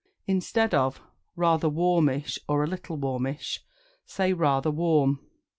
Instead of "Rather warmish" or "A little warmish," say "Rather warm."